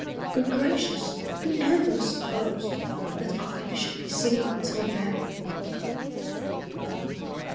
Good gracious! who ever supposed That I should be single till now?